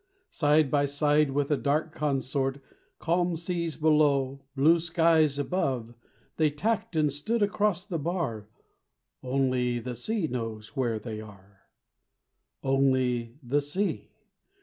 Side by side with a dark consort, Calm seas below, blue skies above, They tacked and stood across the bar: Only the sea knows where they are Only the sea!